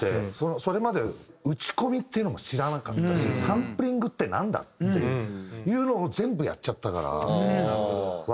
それまで打ち込みっていうのも知らなかったしサンプリングってなんだ？っていうのを全部やっちゃったからＹＭＯの時に。